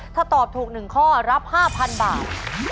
ถ้าตอบถูก๑ข้อรับ๕๐๐๐บาท